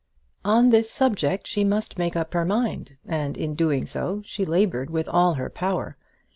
On this subject she must make up her mind, and in doing so she laboured with all her power.